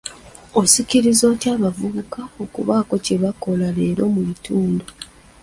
Osikiriza otya abavubuka okubaako kye bakola leero mu bitundu?